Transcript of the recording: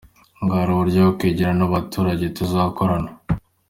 Bwari uburyo bwo kwegerana n’abaturage tuzakorana.